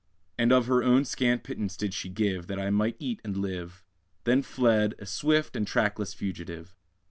And of her own scant pittance did she give, That I might eat and live: Then fled, a swift and trackless fugitive.